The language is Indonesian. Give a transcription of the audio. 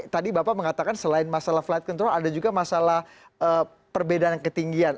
tadi bapak mengatakan selain masalah flight control ada juga masalah perbedaan ketinggian